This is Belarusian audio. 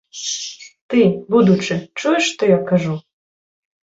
Ты, будучы, чуеш, што я кажу?